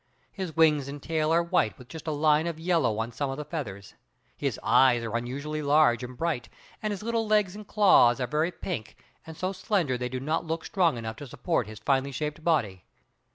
His wings and tail are white with just a line of yellow on some of the feathers. His eyes are unusually large and bright, and his little legs and claws are very pink, and so slender they do not look strong enough to support his finely shaped body.